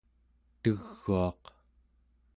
teguaq